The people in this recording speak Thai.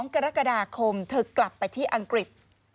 ๒กรกฎาคมเธอกลับไปที่อังกฤษ